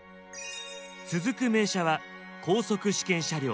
続く名車は高速試験車両